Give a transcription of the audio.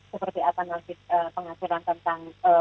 seperti apa nanti pengaturan tentang